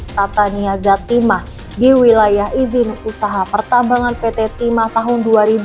tata niaga timah di wilayah izin usaha pertambangan pt timah tahun dua ribu dua puluh